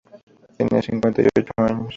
Tenía cincuenta y ocho años.